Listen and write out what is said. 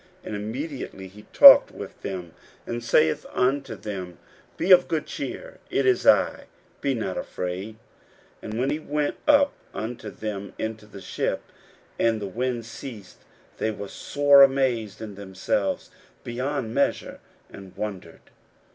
And immediately he talked with them, and saith unto them, Be of good cheer: it is I; be not afraid. 41:006:051 And he went up unto them into the ship; and the wind ceased: and they were sore amazed in themselves beyond measure, and wondered.